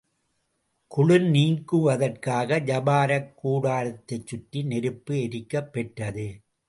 குளிர் நீங்குவதற்காக ஜபாரக் கூடாரத்தைச் சுற்றி நெருப்பு எரிக்கப் பெற்றது.